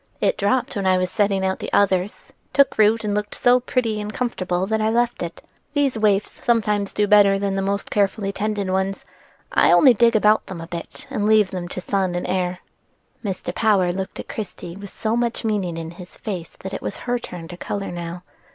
"It dropped when I was setting out the others, took root, and looked so pretty and comfortable that I left it. These waifs sometimes do better than the most carefully tended ones: I only dig round them a bit and leave them to sun and air." Mr. Power looked at Christie with so much meaning in his face that it was her turn to color now.